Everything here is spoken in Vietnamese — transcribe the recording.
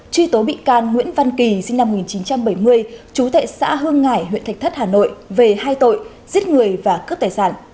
truy tố bị can nguyễn văn kỳ sinh năm một nghìn chín trăm bảy mươi chú thệ xã hương hải huyện thạch thất hà nội về hai tội giết người và cướp tài sản